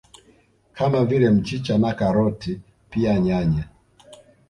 Kama vile mchicha na Karoti pia nyanya